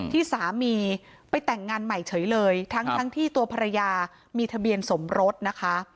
ที่สามีไปแต่งงานใหม่เฉยเลยทั้งที่ตัวภรรยามีทะเบียนสมรสนะคะ